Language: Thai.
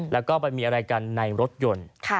แล้วก็ไปมีอะไรกันในรถยนต์